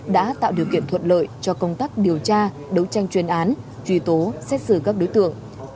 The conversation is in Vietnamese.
đã tạo điều kiện thuận lợi cho công tác điều tra đấu tranh chuyên án truy tố xét xử các đối tượng